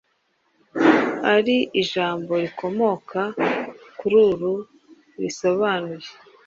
ari ijambo rikomoka kuri ruru risobanuye